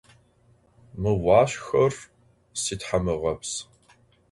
Mı vuaşşxhor sithamığeps.